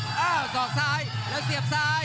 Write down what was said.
กรรมการเตือนทั้งคู่ครับ๖๖กิโลกรัม